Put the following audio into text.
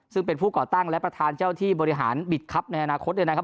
ซึ่งเป็นผู้ก่อตั้งและประธานเจ้าที่บริหารบิดครับในอนาคตด้วยนะครับ